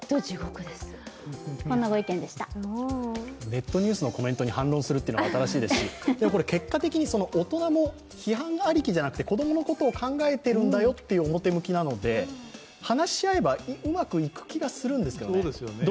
ネットニュースのコメントに反論するっていうのは新しいですし結果的に大人も、批判ありきじゃなくて子供のことを考えてるんだよっていう表向きなので話し合えばうまくいく気がするんですけどね。